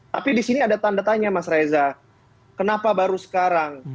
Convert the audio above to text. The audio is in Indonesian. tapi di sini ada tanda tanya mas reza kenapa baru sekarang